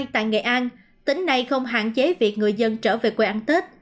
một mươi hai tại nghệ an tỉnh này không hạn chế việc người dân trở về quê ăn tết